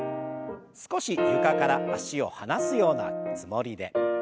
少し床から脚を離すようなつもりで。